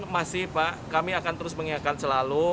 masih pak kami akan terus mengingatkan selalu